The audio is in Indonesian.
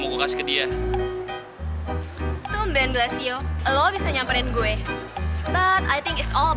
kok aneh banget sih